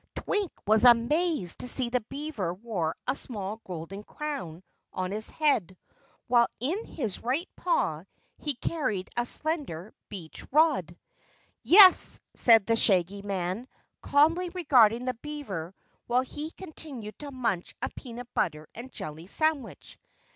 Twink was amazed to see that the beaver wore a small golden crown on his head, while in his right paw he carried a slender beech rod. "Yes," said the Shaggy Man, calmly regarding the beaver while he continued to munch a peanut butter and jelly sandwich.